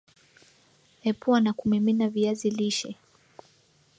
Epua na kumimina viazi lishe